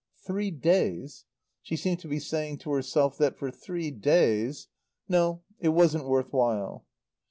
"Three days." She seemed to be saying to herself that for three days No, it wasn't worth while.